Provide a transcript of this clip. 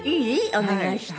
お願いして。